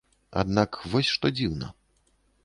Аднак вось што дзіўна.